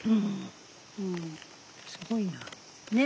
うんすごいな。ね！